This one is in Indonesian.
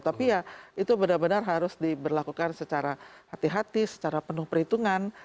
tapi ya itu benar benar harus diberlakukan secara hati hati secara penuh perhitungan